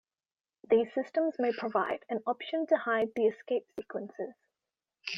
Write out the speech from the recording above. These systems may provide an option to hide the escape sequences.